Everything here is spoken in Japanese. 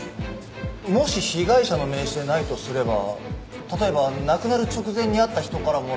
もし被害者の名刺でないとすれば例えば亡くなる直前に会った人からもらったとか。